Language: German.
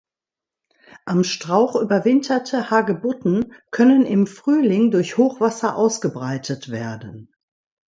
Am Strauch überwinterte Hagebutten können im Frühling durch Hochwasser ausgebreitet werden.